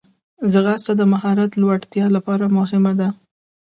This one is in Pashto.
ځغاسته د مهارت لوړتیا لپاره مهمه ده